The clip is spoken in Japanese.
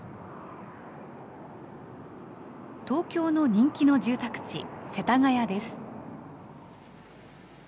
東京の人気の住宅地、世田谷です。